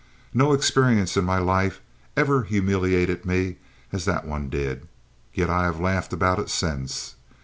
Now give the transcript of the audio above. No experience in my life ever humiliated me as that one did, yet I have laughed about it since.